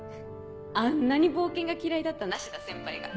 あんなに冒険が嫌いだった梨田先輩が。